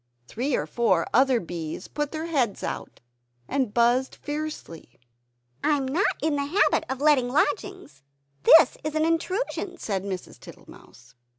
Three or four other bees put their heads out, and buzzed fiercely. "I am not in the habit of letting lodgings; this is an intrusion!" said Mrs. Tittlemouse.